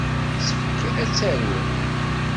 Yessefk ad tt-aruɣ.